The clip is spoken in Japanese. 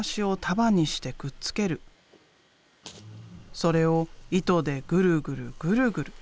それを糸でぐるぐるぐるぐる。